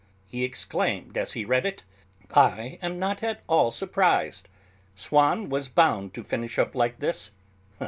he exclaimed as he read it, "I am not at all surprised; Swann was bound to finish up like this.